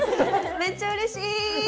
めっちゃうれしい！